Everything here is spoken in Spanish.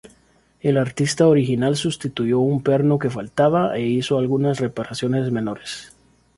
El artista original sustituyó un perno que faltaba, e hizo algunas reparaciones menores.